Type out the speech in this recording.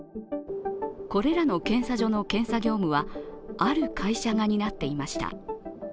これらの検査所の検査業務は、ある会社が担っていました。